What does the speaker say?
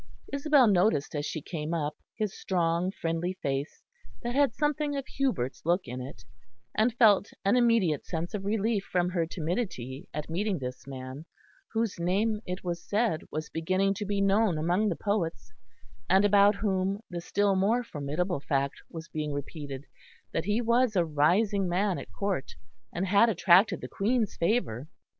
Isabel noticed as she came up his strong friendly face, that had something of Hubert's look in it, and felt an immediate sense of relief from her timidity at meeting this man, whose name, it was said, was beginning to be known among the poets, and about whom the still more formidable fact was being repeated, that he was a rising man at Court and had attracted the Queen's favour.